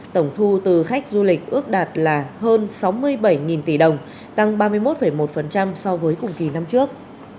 tổng thu từ khách du lịch ước đạt là hơn sáu mươi bảy tỷ đồng tăng ba mươi một một so với cùng kỳ năm trước